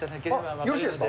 よろしいですか。